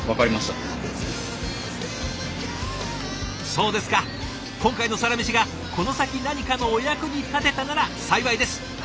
そうですか今回の「サラメシ」がこの先何かのお役に立てたなら幸いです。